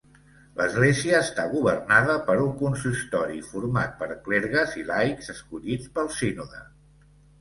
L'Església està governada per un consistori format per clergues i laics escollits pel Sínode.